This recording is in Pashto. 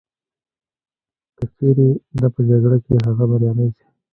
که چیري په دا جګړه کي هغه بریالی سي